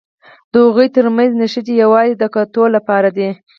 د هغوی تر منځ نښتې یوازې د ګټو لپاره دي.